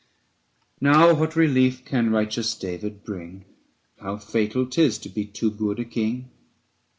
810 Now what relief can righteous David bring ? How fatal 'tis to be too good a king